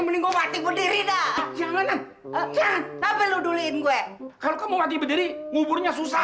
mending gua mati berdiri dah jangan jangan tapi lu duluin gue kalau mau mati berdiri nguburnya susah